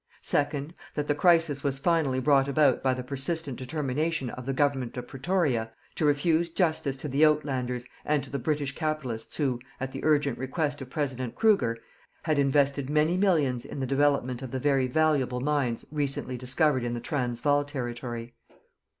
Second, that the crisis was finally brought about by the persistent determination of the Government of Pretoria to refuse justice to the Uitlanders and to the British capitalists who, at the urgent request of President Kruger, had invested many millions in the development of the very valuable mines recently discovered in the Transvaal territory.